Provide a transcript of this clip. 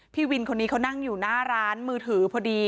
พี่วินคนนี้เขานั่งอยู่หน้าร้านมือถือพอดี